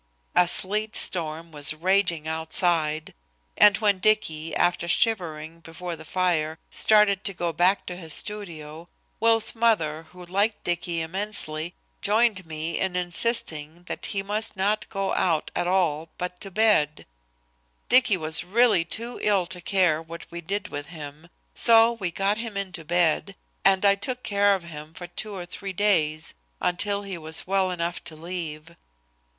A sleet storm was raging outside, and when Dicky, after shivering before the fire, started to go back to his studio, Will's mother, who liked Dicky immensely, joined with me in insisting that he must not go out at all, but to bed. Dicky was really too ill to care what we did with him, so we got him into bed, and I took care of him for two or three days until he was well enough to leave.